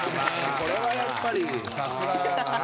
これはやっぱりさすがかな。